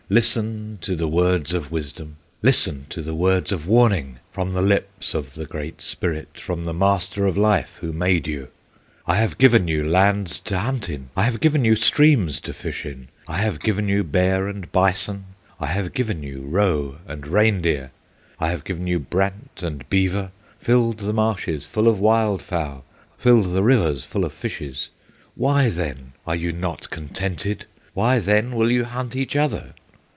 Listen to the words of wisdom, Listen to the words of warning, From the lips of the Great Spirit, From the Master of Life, who made you! "I have given you lands to hunt in, I have given you streams to fish in, I have given you bear and bison, I have given you roe and reindeer, I have given you brant and beaver, Filled the marshes full of wild fowl, Filled the rivers full of fishes: Why then are you not contented? Why then will you hunt each other?